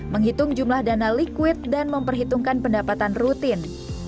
menghitung jumlah dana liquid dan memperhitungkan pendapatan rutin